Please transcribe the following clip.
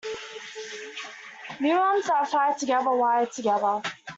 Neurons that fire together wire together.